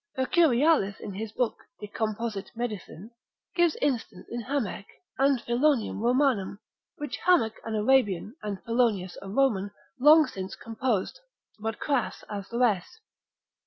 Mercurialis in his book de composit. medicin. gives instance in Hamech, and Philonium Romanum, which Hamech an Arabian, and Philonius a Roman, long since composed, but crasse as the rest.